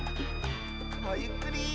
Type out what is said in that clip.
ゆっくり！